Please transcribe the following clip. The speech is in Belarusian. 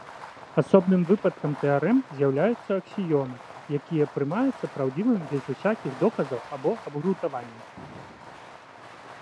Асобным выпадкам тэарэм з'яўляюцца аксіёмы, якія прымаюцца праўдзівымі без усякіх доказаў або абгрунтаванняў.